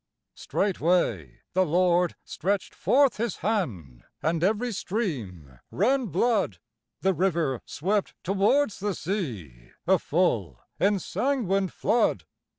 Straightway the Lord stretched forth his hand, And every stream ran blood; The river swept towards the sea A full ensanguined flood.